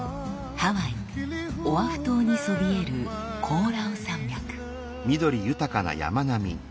ハワイオアフ島にそびえるコオラウ山脈。